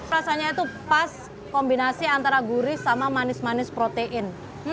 rasanya itu pas kombinasi antara gurih sama manis manis protein